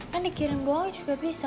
kan dikirim doang juga bisa